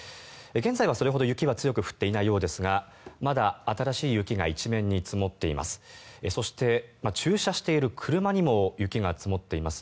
現在はそれほど雪は強く降っていないようですがまだ新しい雪が一面に積もっています。